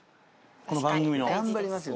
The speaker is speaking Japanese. この番組の。頑張りますよ。